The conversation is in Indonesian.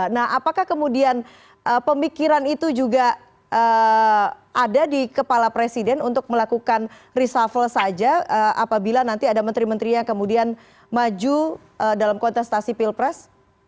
nah apakah kemudian pemikiran itu juga ada di kepala presiden untuk melakukan reshuffle saja apabila nanti ada menteri menteri yang kemudian maju dalam kontestasi pilpres